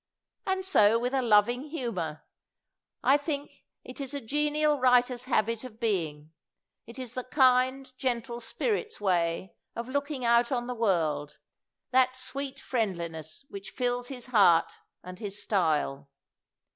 And so with a loving humor: I think, it is a genial writer's habit of being; it is the kind, gentle spirit's way of looking out on the world — that sweet friendliness which fills his heart and his stj'le.